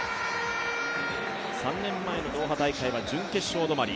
３年前のドーハ大会は準決勝止まり。